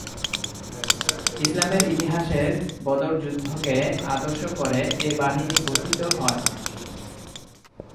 ইসলামের ইতিহাসের বদর যুদ্ধকে আদর্শ করে এ বাহিনী গঠিত হয়।